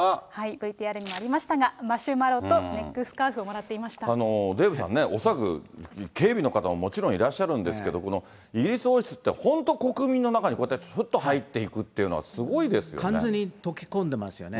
ＶＴＲにもありましたが、マシュマロとネックスカーフをもらデーブさんね、恐らく、警備の方ももちろんいらっしゃるんですけど、このイギリス王室って、本当、国民の中に、こうやってふっと入っていくっていうのは、す完全に溶け込んでいますよね。